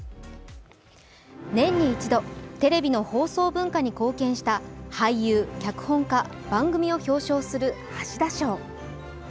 年に１度、テレビの放送文化に貢献した俳優・脚本家・番組を表彰する橋田賞。